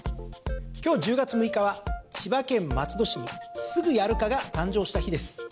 今日、１０月６日は千葉県松戸市にすぐやる課が誕生した日です。